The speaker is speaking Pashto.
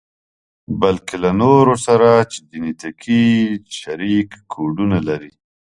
بلکې له نورو سره چې جنتیکي شريک کوډونه لري.